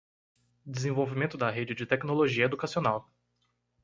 Desenvolvimento da Rede de Tecnologia Educacional.